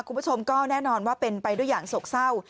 คุณผู้ชมก็แน่นอนว่าเป็นไปด้วยอย่างโศกเศร้า